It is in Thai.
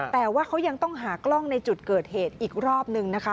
แต่ว่าเขายังต้องหากล้องในจุดเกิดเหตุอีกรอบนึงนะคะ